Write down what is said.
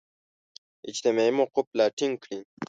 اجتماعي موقف لا ټینګ کړي.